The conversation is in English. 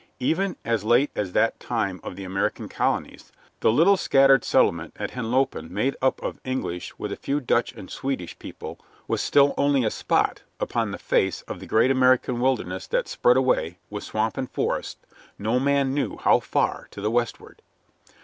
Even as late as that time of the American colonies, the little scattered settlement at Henlopen, made up of English, with a few Dutch and Swedish people, was still only a spot upon the face of the great American wilderness that spread away, with swamp and forest, no man knew how far to the westward.